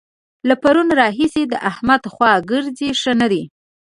له پرونه راهسې د احمد خوا ګرځي؛ ښه نه دی.